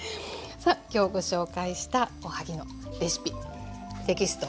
今日ご紹介したおはぎのレシピテキスト